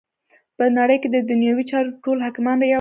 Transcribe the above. په نړی کی چی ددنیوی چارو ټول حاکمان یواځی